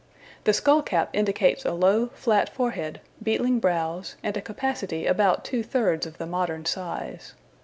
The skull cap indicates a low, flat forehead, beetling brows, and a capacity about two thirds of the modern size.